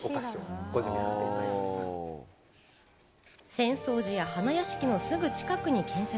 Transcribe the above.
浅草寺や花やしきのすぐ近くに建設。